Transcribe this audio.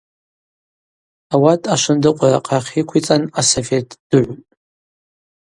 Ауат ашвындыкъвара ахъахь йыквицӏан асовет дыгӏвтӏ.